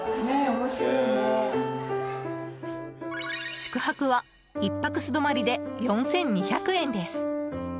宿泊は１泊素泊まりで４２００円です。